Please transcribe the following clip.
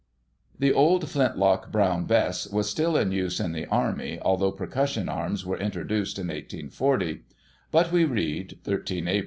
The old flint lock Brown Bess was still in use in the Army, although percussion arms were introduced in 1840; but we read (13 Ap.)